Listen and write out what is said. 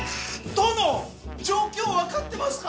殿！状況分かってますか！？